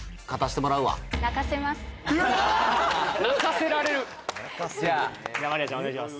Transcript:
泣かせられるじゃあマリアちゃんお願いします